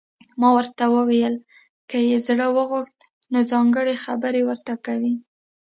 ما ورته وویل: که یې زړه وغوښت، نو ځانګړي خبرې ورته کوي.